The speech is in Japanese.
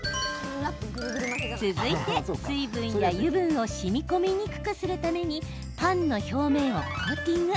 続いて、水分や油分をしみこみにくくするためにパンの表面をコーティング。